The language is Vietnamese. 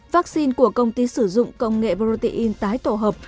vaccine của công ty sử dụng công nghệ protein tái tổ hợp